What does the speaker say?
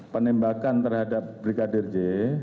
penembakan terhadap brigadir j